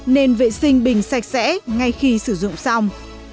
nên vệ sinh bình sạch sẽ ngay khi sử dụng xong